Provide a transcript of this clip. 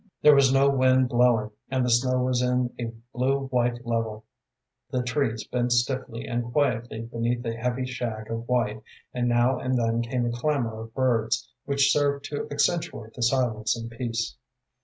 There was no wind blowing, and the snow was in a blue white level; the trees bent stiffly and quietly beneath a heavy shag of white, and now and then came a clamor of birds, which served to accentuate the silence and peace.